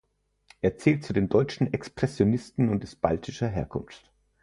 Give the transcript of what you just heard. Er zählt zu den deutschen Expressionisten und ist baltischer Herkunft.